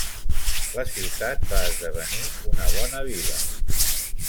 La ciutat va esdevenir una bona vila.